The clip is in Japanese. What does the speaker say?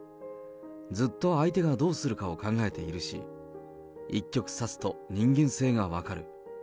ずっと相手がどうするかを考えているし、一局さすと人間性が分かる。